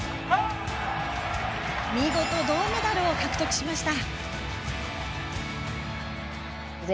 見事、銅メダルを獲得しました。